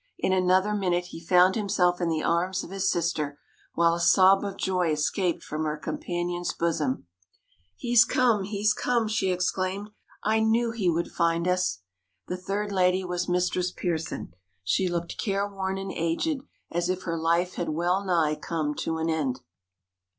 In another minute he found himself in the arms of his sister, while a sob of joy escaped from her companion's bosom. "He's come! he's come!" she exclaimed; "I knew he would find us out." The third lady was Mistress Pearson. She looked careworn and aged, as if her life had well nigh come to an end.